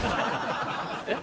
えっ？